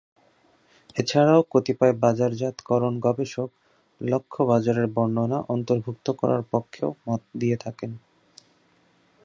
এছাড়াও কতিপয় বাজারজাতকরণ গবেষক "লক্ষ্য-বাজারের বর্ণনা" অন্তর্ভুক্ত করার পক্ষেও মত দিয়ে থাকেন।